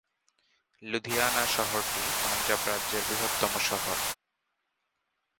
লুধিয়ানা শহরটি পাঞ্জাব রাজ্যের বৃহত্তম শহর।